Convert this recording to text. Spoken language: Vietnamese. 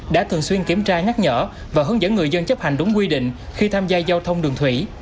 đã thường xuyên kiểm tra nhắc nhở và hướng dẫn người dân chấp hành đúng quy định khi tham gia giao thông đường thủy